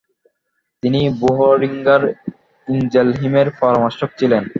তিনি বোহরিঙ্গার ইনজেলহিমের পরামর্শক ছিলেন।